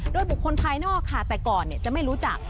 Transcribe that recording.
โดยบุคคลภายนอกค่ะแต่ก่อนจะไม่รู้จัก